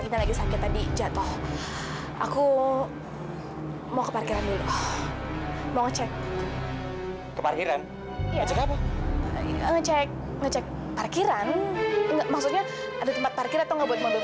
ngecek ngecek parkiran maksudnya ada tempat parkir atau ngomong ngomong